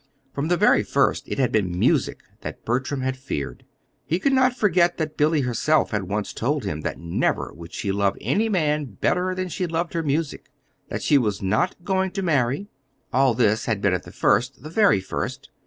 From the very first it had been music that Bertram had feared. He could not forget that Billy herself had once told him that never would she love any man better than she loved her music; that she was not going to marry. All this had been at the first the very first.